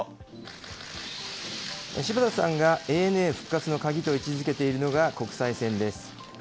芝田さんがＡＮＡ復活の鍵と位置づけているのが、国際線です。